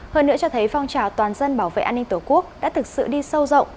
hơn nữa cho thấy phong trào toàn dân bảo vệ an ninh tổ quốc đã thực sự đi sâu rộng